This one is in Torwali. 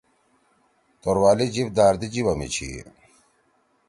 توروالی جیِب داردی جیِبا می چھی۔